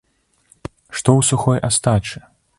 Што у сухой астачы?